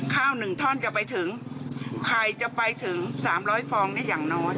ข้าวหนึ่งท่อนจะไปถึงใครจะไปถึงสามร้อยฟองนี่อย่างน้อย